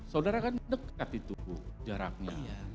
saudara kan dekat itu bu jaraknya